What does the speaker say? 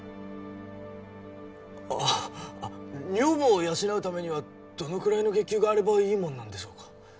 あッ女房を養うためにはどのくらいの月給があればいいもんなんでしょうか？